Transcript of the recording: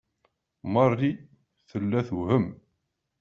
Marie tella tewhem.